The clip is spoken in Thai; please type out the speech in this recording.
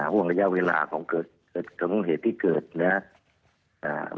ห่วงระยะเวลาของเกิดข้อมูลเหตุที่เกิดนะครับ